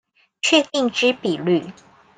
確定之比率